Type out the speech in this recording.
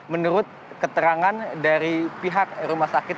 menurut keterangan dari pihak rumah sakit